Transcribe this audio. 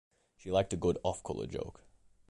She liked a good off-color joke.